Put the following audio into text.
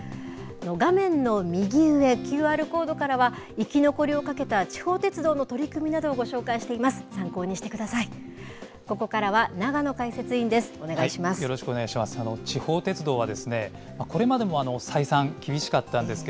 画面の右上、ＱＲコードからは、生き残りを懸けた地方鉄道の取り組みなどをご紹介しています。